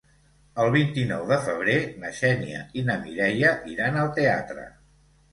El vint-i-nou de febrer na Xènia i na Mireia iran al teatre.